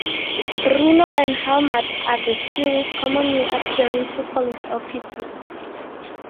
Bruno and Helmut are the series' commonly appearing two police officers.